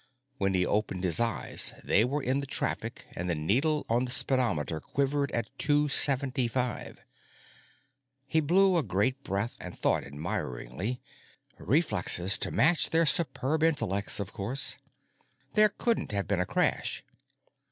When he opened his eyes they were in the traffic and the needle on the speedometer quivered at 275. He blew a great breath and thought admiringly: reflexes to match their superb intellects, of course. There couldn't have been a crash.